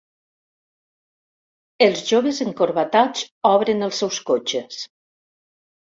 Els joves encorbatats obren els seus cotxes.